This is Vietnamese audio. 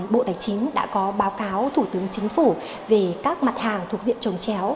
bộ tài chính đã có báo cáo thủ tướng chính phủ về các mặt hàng thuộc diện trồng chéo